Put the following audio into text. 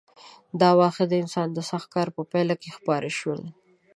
دا واښه د انسان د سخت کار په پایله کې خپاره شول.